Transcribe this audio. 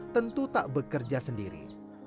tentu tak bekerja sendiri